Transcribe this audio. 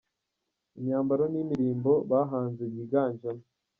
Imyambaro n’imirimbo bahanze yiganjemo.